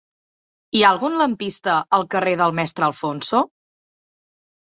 Hi ha algun lampista al carrer del Mestre Alfonso?